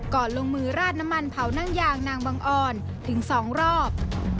ลงมือราดน้ำมันเผานั่งยางนางบังออนถึง๒รอบ